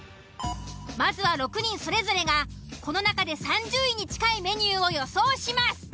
まずは６人それぞれがこの中で３０位に近いメニューを予想します。